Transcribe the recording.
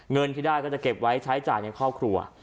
เงินที่ได้ก็จะเก็บไว้ใช้จ่ายในครอบครัว